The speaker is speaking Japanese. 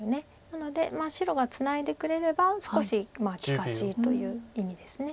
なので白がツナいでくれれば少し利かしという意味です。